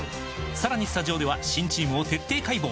さらにスタジオでは新チームを徹底解剖！